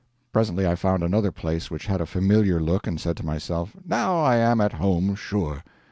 Presently I found another place which had a familiar look, and said to myself, "Now I am at home, sure."